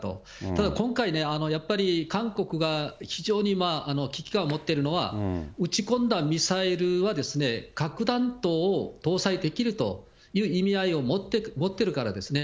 ただ今回ね、やっぱり韓国が非常に危機感を持ってるのは、撃ち込んだミサイルは、核弾頭を搭載できるという意味合いを持ってるからですね。